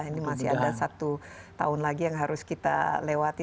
ini masih ada satu tahun lagi yang harus kita lewati